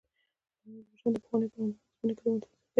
قرآن عظيم الشان د پخوانيو پيغمبرانو د اسماني کتابونو تصديق کوي